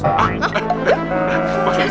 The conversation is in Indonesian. bau pesing nyumpul ya